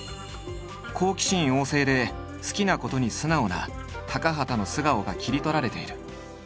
好奇心旺盛で好きなことに素直な高畑の素顔が切り取られている。